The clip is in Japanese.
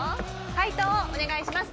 解答をお願いします